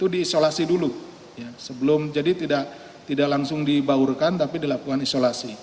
diisolasi dulu sebelum jadi tidak langsung dibaurkan tapi dilakukan isolasi